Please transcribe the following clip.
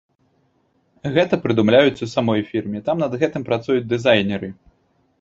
Гэта прыдумляюць у самой фірме, там над гэтым працуюць дызайнеры.